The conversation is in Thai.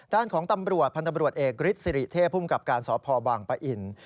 ด้านของตำรวจพันธบรวจเอกฤทธิสิริเทพภูมิกับการสพบางปะอิน